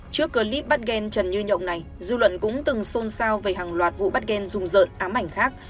trước clip bắt ghen trần như nhộng này dư luận cũng từng xôn xao về hàng loạt vụ bắt gan rùng rợn ám ảnh khác